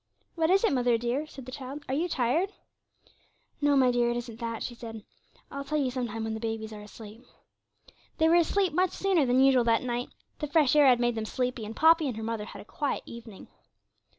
'What is it, mother dear?' said the child. 'Are you tired?' 'No, my dear, it isn't that,' she said. 'I'll tell you some time when the babies are asleep.' They were asleep much sooner than usual that night; the fresh air had made them sleepy, and Poppy and her mother had a quiet evening.